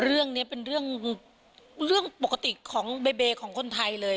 เรื่องนี้เป็นเรื่องปกติของเบเบของคนไทยเลย